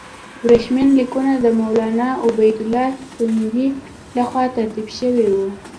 ورېښمین لیکونه د مولنا عبیدالله سندي له خوا ترتیب شوي وو.